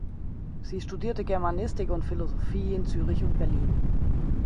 Sie studierte Germanistik und Philosophie in Zürich und Berlin.